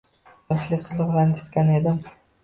Yoshlik qilib ranjitgan edim